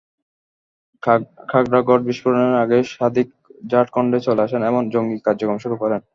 খাগড়াগড় বিস্ফোরণের আগেই সাদিক ঝাড়খণ্ডে চলে আসেন এবং জঙ্গি কার্যক্রম শুরু করেন।